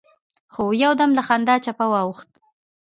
خو يودم له خندا چپه واوښت.